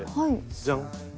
じゃん。